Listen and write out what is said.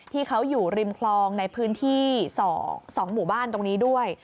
ที่เขาอยู่ริมคลองในพื้นที่๒หมู่บ้านตรงนี้ด้วย